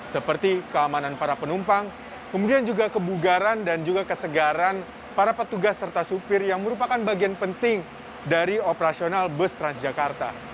seperti keamanan para penumpang kemudian juga kebugaran dan juga kesegaran para petugas serta supir yang merupakan bagian penting dari operasional bus transjakarta